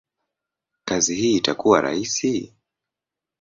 kazi hii itakuwa rahisi?